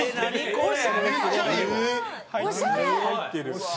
これ！